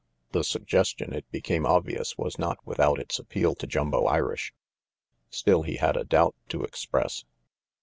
The suggestion, it became obvious, was not with out its appeal to Jumbo Irish. Still, he had a doubt to express.